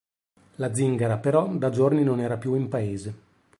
La zingara, però, da giorni non era più in paese.